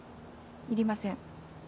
いりません。